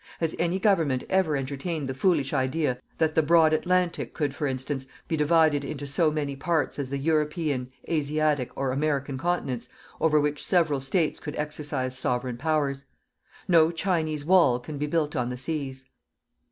Has any Government ever entertained the foolish idea that the broad Atlantic could, for instance, be divided into so many parts as the European, Asiatic, or American continents, over which several States could exercise Sovereign powers? No Chinese Wall can be built on the seas.